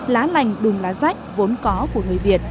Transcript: lá lành đùm lá rách vốn có của người việt